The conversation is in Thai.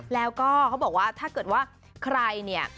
แล้วก็เขาบอกว่าถ้าเกิดว่าใครเนี่ย